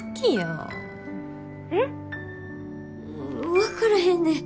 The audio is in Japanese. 分からへんねん。